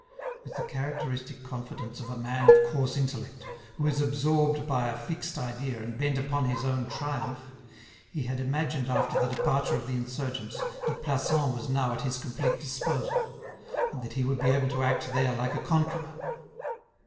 With the characteristic confidence of a man of coarse intellect, who is absorbed by a fixed idea and bent upon his own triumph, he had imagined after the departure of the insurgents that Plassans was now at his complete disposal, and that he would be able to act there like a conqueror.